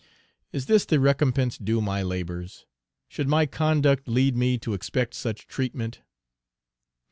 Is this the recompense due my labors? Should my conduct lead me to expect such treatment?